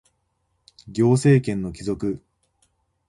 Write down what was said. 行政権の帰属